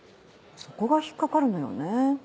そこが引っかかるのよね。